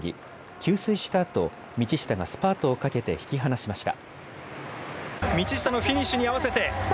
給水したあと、道下がスパートをかけて引き離しました。